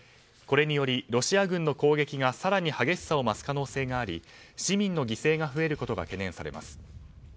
これによりロシア軍の攻撃が更に激しさを増す可能性があり市民の犠牲が増えることが懸念されます。